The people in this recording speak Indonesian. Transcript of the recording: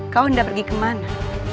kau tidak pergi kemana